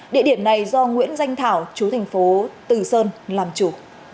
địa điểm này do nguyễn danh thảo chú thành phố từ sơn làm chủ